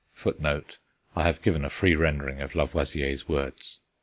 I have given a free rendering of Lavoisier's words.